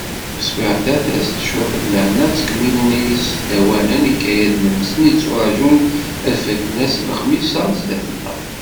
Taswiɛt-a, ters-d cwiṭ n lehna, ttkemmilen yisdawanen ikayaden-nsen, yetturaǧun ad fakken ass n lexmis-a sdat-nneɣ.